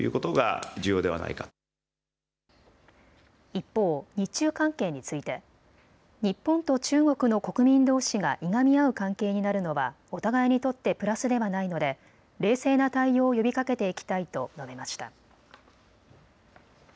一方、日中関係について日本と中国の国民どうしがいがみ合う関係になるのはお互いにとってプラスではないので冷静な対応を呼びかけていきたいと述べました。